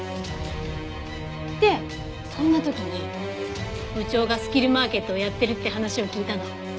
でそんな時に部長がスキルマーケットをやってるって話を聞いたの。